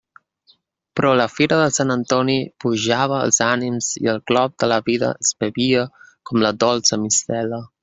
Però la fira de Sant Antoni pujava els ànims i el glop de la vida es bevia com la dolça mistela.